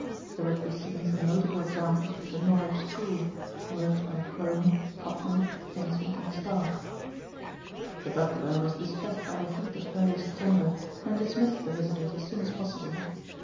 There were to be seen some notable examples of the "Norwich School" works by Crome, Cotman, Vincent and Stark. The butler was distressed by the heat of early September and dismissed the visitors as soon as possible.